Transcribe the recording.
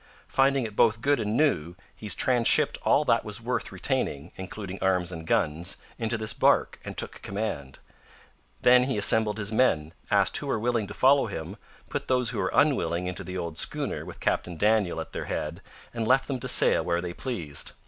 Finding it both good and new, he transhipped all that was worth retaining, including arms and guns, into this barque, and took command; then he assembled his men, asked who were willing to follow him, put those who were unwilling into the old schooner with Captain Daniel at their head, and left them to sail where they pleased.